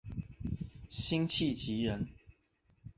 辛弃疾人。